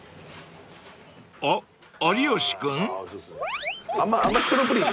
［あ有吉君？］